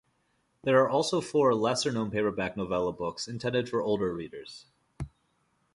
There are also four lesser known paperback "novella" books intended for older readers.